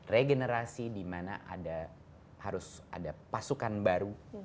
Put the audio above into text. regenerasi dimana ada harus ada pasukan baru